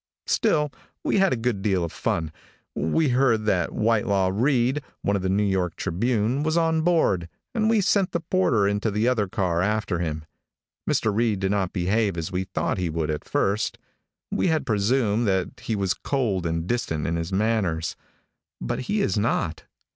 Still we had a good deal of fun. We heard that Whitelaw Reid, of the New York was on board, and we sent the porter into the other car after him. Mr. Reid did not behave as we thought he would at first. We had presumed that he was cold and distant in his manners, but he is not.